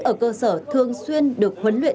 ở cơ sở thường xuyên được huấn luyện